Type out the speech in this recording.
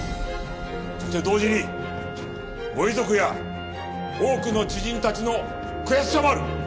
そして同時にご遺族や多くの知人たちの悔しさもある。